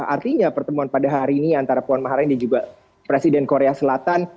artinya pertemuan pada hari ini antara puan maharani dan juga presiden korea selatan